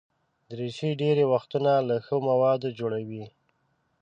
دریشي ډېری وختونه له ښه موادو جوړه وي.